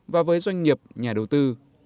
và với doanh nghiệp nhà đầu tư